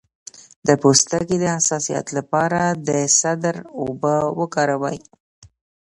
د پوستکي د حساسیت لپاره د سدر اوبه وکاروئ